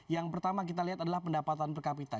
yang pertama kita lihat adalah pendapatan per kapita